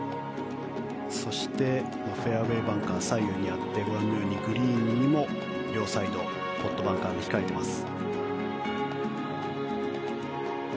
そして、フェアウェーバンカー左右にあってご覧のようにグリーンにも両サイドポットバンカーが控えています。